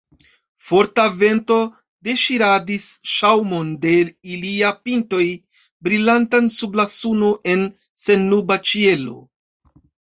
Forta vento deŝiradis ŝaŭmon de iliaj pintoj, brilantan sub la suno en sennuba ĉielo.